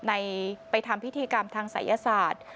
ไปทำพิธีกรรมทางศัยศาสตร์